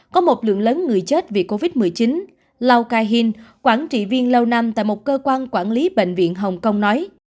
có một lượng lớn người chết vì covid một mươi chín lao cai hin quản trị viên lâu năm tại một cơ quan quản lý bệnh viện hồng kông nói